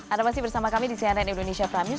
anda masih bersama kami di cnn indonesia prime news